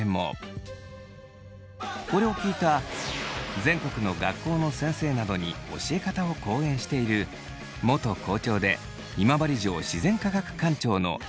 これを聞いた全国の学校の先生などに教え方を講演している元校長で今治城自然科学館長の村上圭司さんによると。